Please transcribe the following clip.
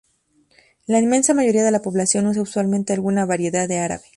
La inmensa mayoría de la población usa usualmente alguna variedad de árabe.